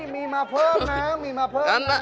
เกิดอะไรขึ้น